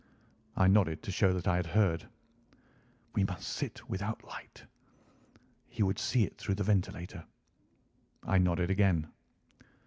I nodded to show that I had heard. "We must sit without light. He would see it through the ventilator." I nodded again.